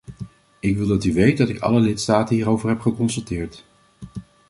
Ik wil dat u weet dat ik alle lidstaten hierover heb geconsulteerd.